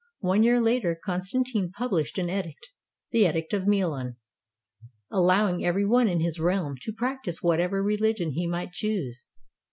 One year later, Constantine published an edict (the Edict of Milan) allowing every one in his realm to practice whatever religion he might choose.